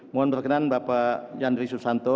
mohon berkenan bapak yandri susanto